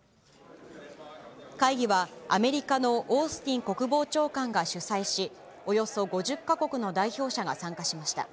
会議はアメリカのオースティン国防長官が主催し、およそ５０か国の代表者が参加しました。